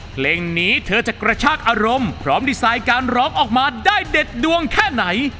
เพลงนี้เธอจะกระชากอารมณ์พร้อมดีไซน์การร้องออกมาได้เด็ดดวงแค่ไหน